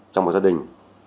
trong một gia đình